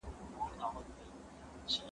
هغه وويل چي انځورونه مهم دي،